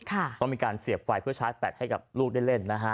ต้องมีการเสียบไฟเพื่อชาร์จแบตให้กับลูกได้เล่นนะฮะ